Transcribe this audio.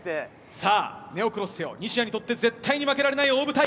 さあ、ネオコロッセオ、西矢にとって絶対に負けられない大舞台。